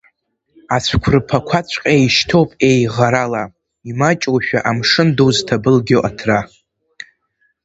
Ацәқәырԥақәаҵәҟьа еишьҭоуп еиӷарала, имаҷушәа амшын ду зҭабылгьо аҭра.